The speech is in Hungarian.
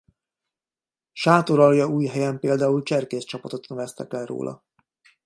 Sátoraljaújhelyen például cserkészcsapatot neveztek el róla.